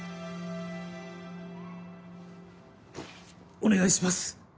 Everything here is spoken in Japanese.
お願いします。